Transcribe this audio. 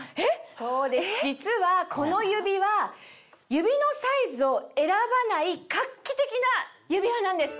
そうです実はこの指輪指のサイズを選ばない画期的な指輪なんです。